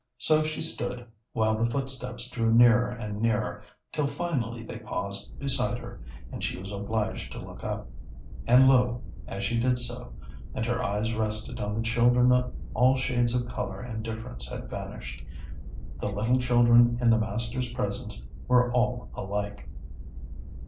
So she stood while the footsteps drew nearer and nearer, till finally they paused beside her, and she was obliged to look up. And lo! as she did so, and her eyes rested on the children, all shades of color and difference had vanished, the little children in the Master's presence were all alike!